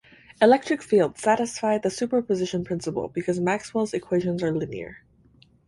Electric fields satisfy the superposition principle, because Maxwell's equations are linear.